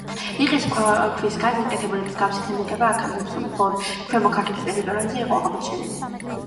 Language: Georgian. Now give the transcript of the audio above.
რიყის ქვისაგან გაკეთებული მსგავსი ქანდაკება აქამდე მხოლოდ ქვემო ქართლის ტერიტორიაზე იყო აღმოჩენილი.